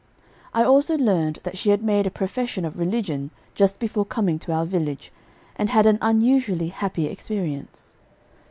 I also learned that she had made a profession of religion just before coming to our village, and had an unusually happy experience.